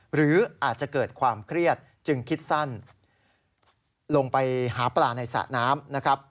หรืออาจจะเกิดความเครียดจึงคิดสั้นลงไปหาปลาในสระน้ำนะครับ